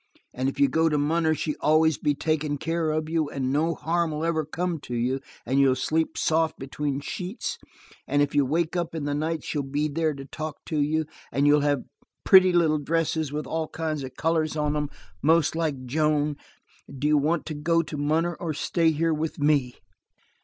And if you go to munner, she always be takin' care of you, and no harm'll ever come to you and you'll sleep soft between sheets, and if you wake up in the night she'll be there to talk to you. And you'll have pretty little dresses with all kinds of colors on 'em, most like. Joan, do you want to go to munner, or stay here with me?"